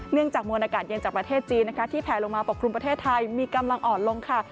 จากมวลอากาศเย็นจากประเทศจีนนะคะที่แผลลงมาปกครุมประเทศไทยมีกำลังอ่อนลงค่ะ